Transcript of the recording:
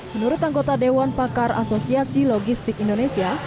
menurut anggota dewan pakar asosiasi logistik indonesia